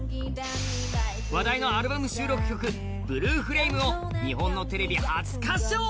話題のアルバム収録曲「ブルーフレーム」を日本のテレビ初歌唱！